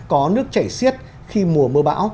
có nước chảy xiết khi mùa mưa bão